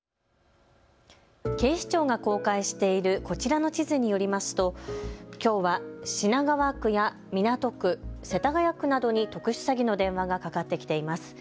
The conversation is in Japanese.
警視庁が公開しているこちらの地図によりますときょうは品川区や港区、世田谷区などに特殊詐欺の電話がかかってきています。